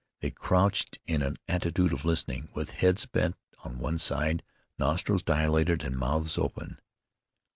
They crouched in an attitude of listening, with heads bent on one side, nostrils dilated, and mouths open.